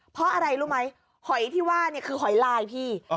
เพราะอะไรรู้ไหมหอยที่ว่าเนี่ยคือหอยลายพี่